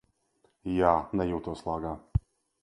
Jā, nejūtos lāgā.